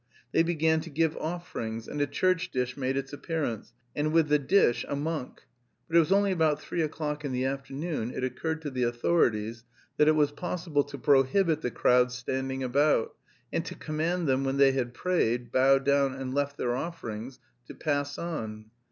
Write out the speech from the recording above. They began to give offerings, and a church dish made its appearance, and with the dish a monk. But it was only about three o'clock in the afternoon it occurred to the authorities that it was possible to prohibit the crowds standing about, and to command them when they had prayed, bowed down and left their offerings, to pass on.